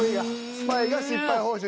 スパイが失敗報酬